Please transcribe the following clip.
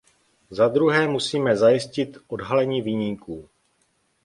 Za druhé musíme zajistit odhalení viníků.